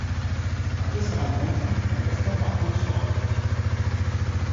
Après ces rencontres un classement par poule sera fait.